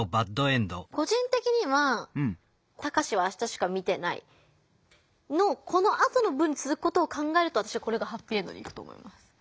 個人的には「タカシは明日しか見てない」のこのあとの文につづくことを考えるとこれがハッピーエンドにいくと思います。